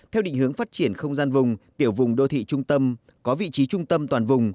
theo định hướng phát triển không gian vùng tiểu vùng đô thị trung tâm có vị trí trung tâm toàn vùng